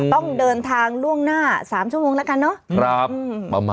ต้องเดินทางล่วงหน้า๓ชั่วโมงแล้วกันเนอะ